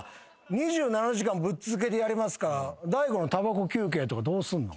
２７時間ぶっ続けでやりますから大悟のたばこ休憩とかどうすんの？